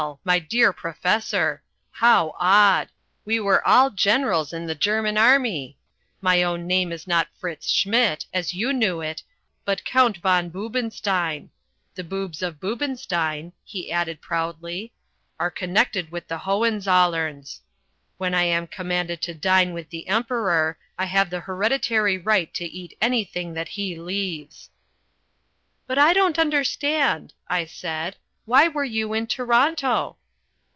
My dear professor! How odd! We were all generals in the German army. My own name is not Fritz Schmidt, as you knew it, but Count von Boobenstein. The Boobs of Boobenstein," he added proudly, "are connected with the Hohenzollerns. When I am commanded to dine with the Emperor, I have the hereditary right to eat anything that he leaves." "But I don't understand!" I said. "Why were you in Toronto?"